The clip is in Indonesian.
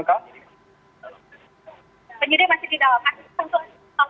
paparan terganti pagi di pasirnya sudah ada juga ya pak